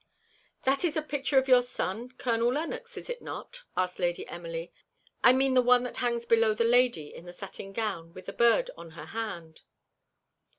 "That is a picture of your son, Colonel Lennox, is it not?" asked Lady Emily, "I mean the one that hangs below the lady in the satin gown with the bird on her hand."